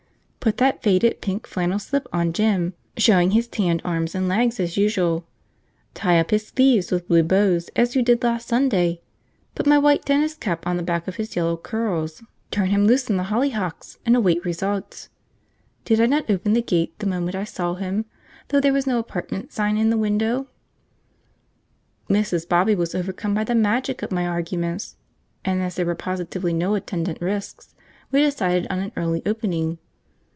Put that faded pink flannel slip on Jem, showing his tanned arms and legs as usual, tie up his sleeves with blue bows as you did last Sunday, put my white tennis cap on the back of his yellow curls, turn him loose in the hollyhocks, and await results. Did I not open the gate the moment I saw him, though there was no apartment sign in the window?" Mrs. Bobby was overcome by the magic of my arguments, and as there were positively no attendant risks, we decided on an early opening.